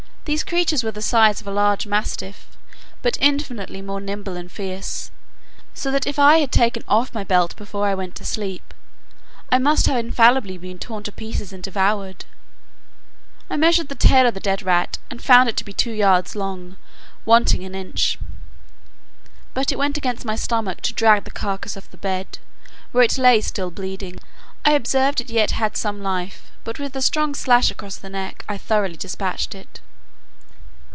These creatures were of the size of a large mastiff, but infinitely more nimble and fierce; so that if I had taken off my belt before I went to sleep, I must have infallibly been torn to pieces and devoured. I measured the tail of the dead rat, and found it to be two yards long, wanting an inch; but it went against my stomach to drag the carcass off the bed, where it lay still bleeding; I observed it had yet some life, but with a strong slash across the neck, I thoroughly despatched it.